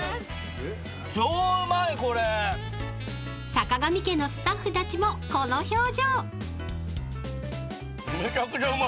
［さかがみ家のスタッフたちもこの表情］